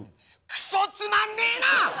くそつまんねえな！